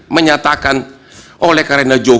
menyatakan oleh karena jokowi melakukan tindak pidana korupsi